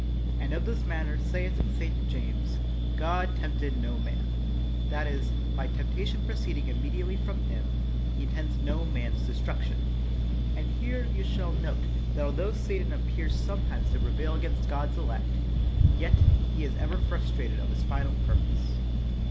And of this matter saith St. James, *' God tempted no man ''; that is, by temptation proceeding immediately from Him, He intends no man's destruction. And here 25 THE WORLD'S FAMOUS ORATIONS you shall note that altho Satan appears some times to prevail against God's elect, yet he is ever frustrated of his final purpose.